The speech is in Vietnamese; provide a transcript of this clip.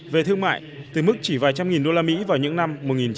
về thương mại từ mức chỉ vài trăm nghìn đô la mỹ vào những năm một nghìn chín trăm chín mươi